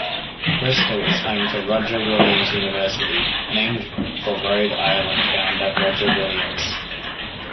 Bristol is home to Roger Williams University, named for Rhode Island founder Roger Williams.